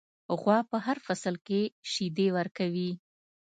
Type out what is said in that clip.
غوا په هر فصل کې شیدې ورکوي.